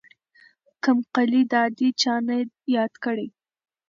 کمقلې دادې چانه ياد کړي.